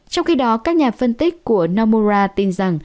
trong khi đó các nhà phân tích của namora tin rằng